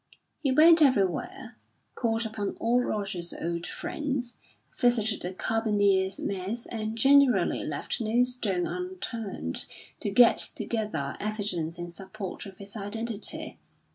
He went everywhere, called upon all Roger's old friends, visited the Carbineers' mess and generally left no stone unturned to get together evidence in support of his identity.